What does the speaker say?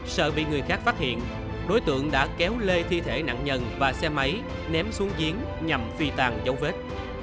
sợ bị người khác phát hiện đối tượng đã kéo lê thi thể nạn nhân và xe máy ném xuống chiến nhằm phi tàng dấu vết